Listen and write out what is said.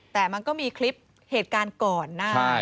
แต่มันก็มีคลิปเหตุการณ์ก่อนหน้า